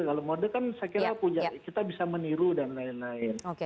kalau mode kan saya kira kita bisa meniru dan lain lain